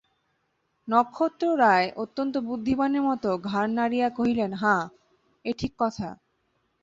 নক্ষত্ররায় অত্যন্ত বুদ্ধিমানের মতো ঘাড় নাড়িয়া কহিলেন, হাঁ, এ ঠিক কথা।